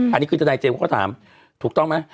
อันนี้คือทนายเจมส์เขาก็ถามถูกต้องไหม